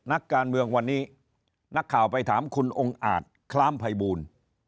นักการเมืองวันนี้นักข่าวไปถามคุณองค์อาจคล้ามภัยบูล